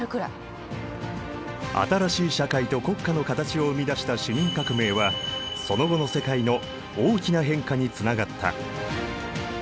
新しい社会と国家の形を生み出した市民革命はその後の世界の大きな変化につながった。